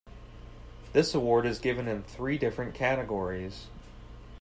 This award is given in three different categories.